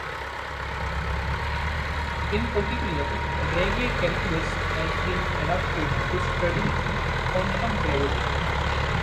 In particular, Regge calculus has been adapted to study quantum gravity.